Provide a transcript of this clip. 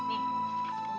umi tambahin lagi ya